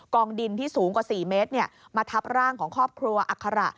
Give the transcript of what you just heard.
องดินที่สูงกว่า๔เมตรมาทับร่างของครอบครัวอัคระ